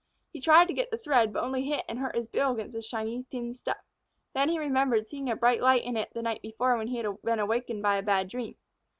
He tried to get the thread, but only hit and hurt his bill against the shiny, thin stuff. Then he remembered seeing a bright light in it the night before when he had been awakened by a bad dream.